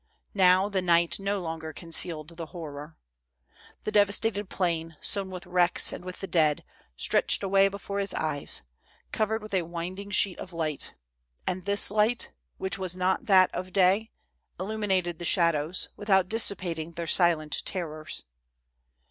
Now, the night no longer concealed the horror. The devastated plain, sown with wrecks and with the dead, stretched away before his eyes, covered with a winding sheet of light ; and this light, which was not that of day, illuminated the shadows, without dissipating their silent terrors.